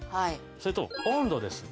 それと温度です。